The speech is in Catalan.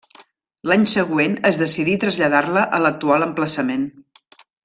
L'any següent es decidí traslladar-la a l'actual emplaçament.